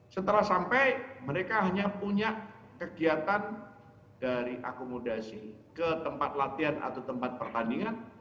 setelah sampai mereka hanya punya kegiatan dari akomodasi ke tempat latihan atau tempat pertandingan